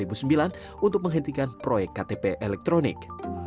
dan juga untuk menghentikan proyek ktp elektronik